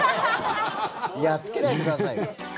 やっつけないでくださいよ。